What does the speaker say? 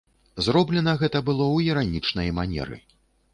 Зроблена гэта было ў іранічнай манеры.